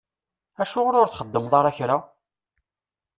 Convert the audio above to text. Acuɣeṛ ur txeddmeḍ ara kra?